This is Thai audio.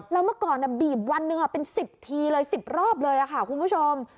แล้วเมื่อก่อนบีบวันหนึ่งเป็น๑๐ทีเลย๑๐รอบเลยค่ะคุณผู้ชม